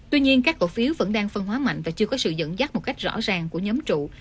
tuy nhiên các cổ phiếu vẫn đang phân hóa mạnh và chưa có sự dẫn dắt một cách rõ ràng của nhóm trụ